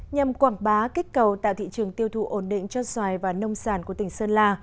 nhằm quảng bá kích cầu tạo thị trường tiêu thụ ổn định cho xoài và nông sản của tỉnh sơn la